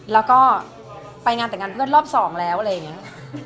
แล้วก็ไปงานแต่งงานเพื่อนรอบสองแล้วอะไรอย่างนี้